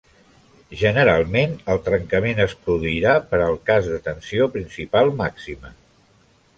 Generalment el trencament es produirà per al cas de tensió principal màxima.